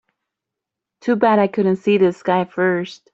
Too bad I couldn't see this guy first.